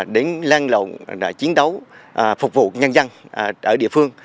để lan lộ chiến đấu phục vụ nhân dân ở địa phương